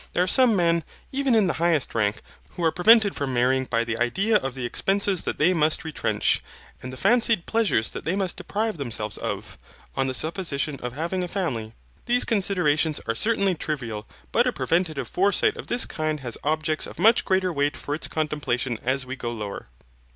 There are some men, even in the highest rank, who are prevented from marrying by the idea of the expenses that they must retrench, and the fancied pleasures that they must deprive themselves of, on the supposition of having a family. These considerations are certainly trivial, but a preventive foresight of this kind has objects of much greater weight for its contemplation as we go lower.